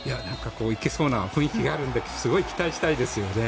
いけそうな雰囲気があるのですごい期待したいです。